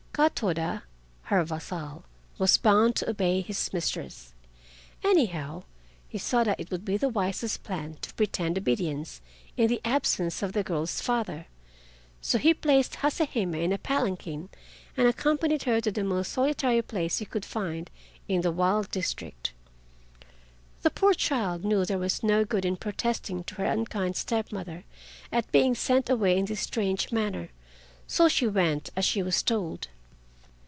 Katoda, her vassal, was bound to obey his mistress. Anyhow, he saw that it would be the wisest plan to pretend obedience in the absence of the girl's father, so he placed Hase Hime in a palanquin and accompanied her to the most solitary place he could find in the wild district. The poor child knew there was no good in protesting to her unkind step mother at being sent away in this strange manner, so she went as she was told.